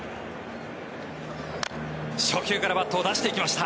初球からバットを出していきました。